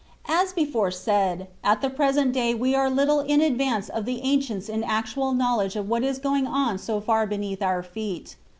As before said, at the present day we are little in advance of the ancients in actual knowledge of what is going on so far beneath our feet.